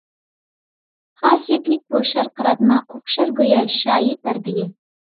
خاسىيەتلىك بۇ شارقىراتما، ئوخشار گويا شايى پەردىگە.